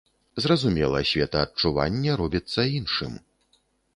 Зразумела, светаадчуванне робіцца іншым.